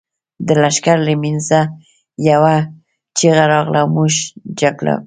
د لښکر له مينځه يوه چيغه راغله! موږ جګړه کوو.